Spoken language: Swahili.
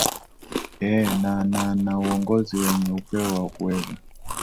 ee na na na uongozi wenye upeo wa kuweza